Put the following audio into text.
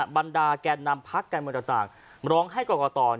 บรรดาแก่ดนำพลักษณ์การเมืองต่างร้องให้กลัวต่อ